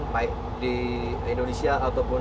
baik di indonesia ataupun